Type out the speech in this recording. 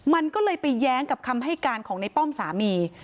มันก็เลยไปแย้งกับคำให้การของในป้อมสามี